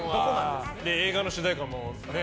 映画の主題歌もね。